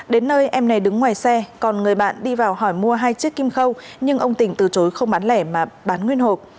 đến nơi em này đứng ngoài xe còn người bạn đi vào hỏi mua hai chiếc kim khâu nhưng ông tình từ chối không bán lẻ mà bán nguyên hộp